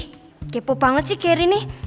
ih kepo banget sih gary nih